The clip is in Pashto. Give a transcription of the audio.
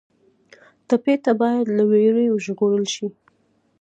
ټپي ته باید له وېرې وژغورل شي.